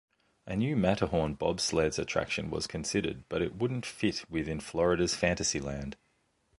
A new Matterhorn Bobsleds attraction was considered, but it wouldn't fit within Florida's Fantasyland.